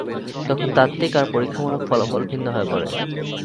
তখন তাত্ত্বিক আর পরীক্ষামূলক ফলাফল ভিন্ন হয়ে পড়ে।